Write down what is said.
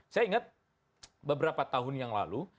saya ingat beberapa tahun yang lalu